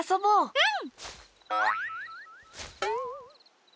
うん！